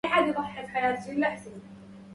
طلعت كالقمر التم بدر